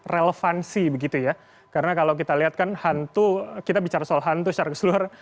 relevansi begitu ya karena kalau kita lihat kan hantu kita bicara soal hantu secara keseluruhan